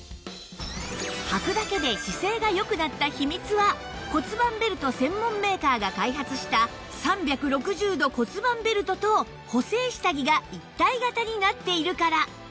はくだけで姿勢が良くなった秘密は骨盤ベルト専門メーカーが開発した３６０度骨盤ベルトと補整下着が一体型になっているから